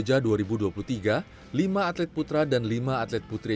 jadi itu yang membuat saya semangat lagi